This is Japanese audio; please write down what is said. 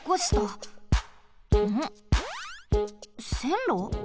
せんろ？